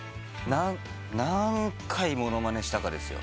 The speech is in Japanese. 何回物まねしたかですよ。